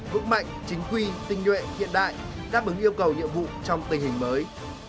vững mạnh chính quy tinh nhuệ hiện đại đáp ứng yêu cầu nhiệm vụ trong tình hình mới